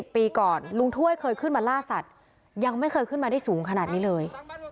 ปีก่อนลุงถ้วยเคยขึ้นมาล่าสัตว์ยังไม่เคยขึ้นมาได้สูงขนาดนี้เลย